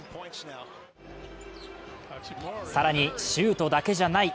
更に、シュートだけじゃない。